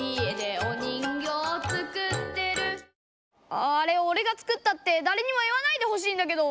あああれおれが作ったってだれにも言わないでほしいんだけど。